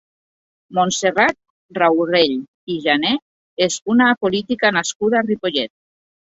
Montserrat Raurell i Jané és una política nascuda a Ripollet.